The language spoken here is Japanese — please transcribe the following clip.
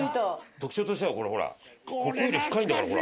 特徴としてはこれほらここより深いんだよほら。